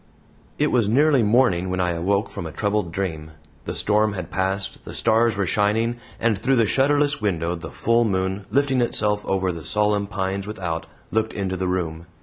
It was nearly morning when I awoke from a troubled dream. The storm had passed, the stars were shining, and through the shutterless window the full moon, lifting itself over the solemn pines without, looked into the room.